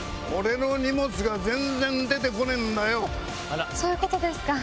はぁ⁉そういうことですか。